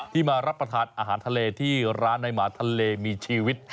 มารับประทานอาหารทะเลที่ร้านในหมาทะเลมีชีวิต